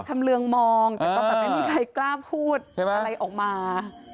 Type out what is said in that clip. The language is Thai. ชำเรืองมองแต่ก็แบบไม่มีใครกล้าพูดอะไรออกมา